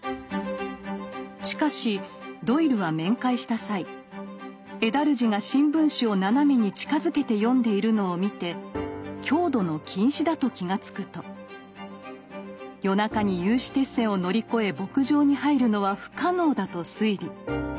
しかしドイルは面会した際エダルジが新聞紙を斜めに近づけて読んでいるのを見て強度の近視だと気が付くと夜中に有刺鉄線を乗り越え牧場に入るのは不可能だと推理。